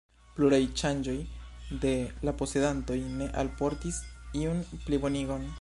Pluraj ŝanĝoj de la posedantoj ne alportis iun plibonigon.